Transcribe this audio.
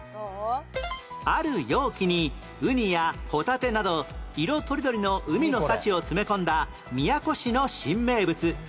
ある容器にウニやホタテなど色とりどりの海の幸を詰め込んだ宮古市の新名物